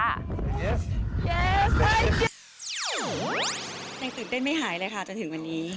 อะไรจะสงสัยมากเยี่ยมได้ในตื่นเป็นไม่หายเลยคะจนถึงวันนี้